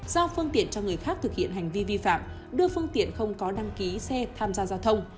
giao phương tiện cho người khác thực hiện hành vi vi phạm đưa phương tiện không có đăng ký xe tham gia giao thông